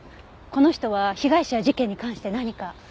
この人は被害者や事件に関して何か？